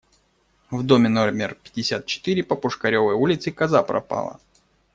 В доме номер пятьдесят четыре по Пушкаревой улице коза пропала.